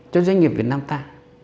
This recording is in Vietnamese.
cho doanh nghiệp việt nam ta